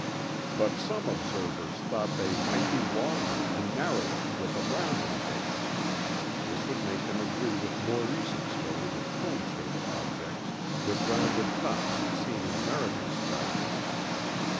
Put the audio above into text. But some observers thought they might be longer and narrower, with a rounded base; this would make them agree with more recent stories of cone shaped objects with rounded tops seen in American skies.